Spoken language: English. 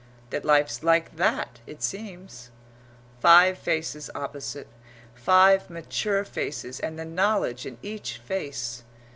That life's like that, it seems. Five faces opposite five mature faces and the knowledge in each face.